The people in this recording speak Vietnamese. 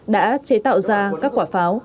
đã chế tạo ra các quả pháo